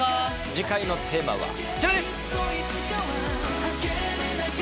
次回のテーマはこちらです！